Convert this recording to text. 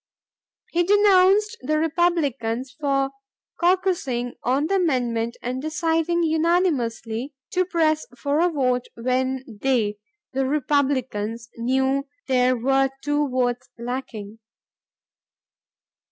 He denounced the Republicans for caucusing on the amendment and deciding unanimously to press for a vote, when they the Republicans] knew there were two votes lacking.